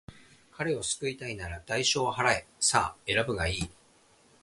彼を救いたいのなら、代償を払え。さあ、選ぶがいい。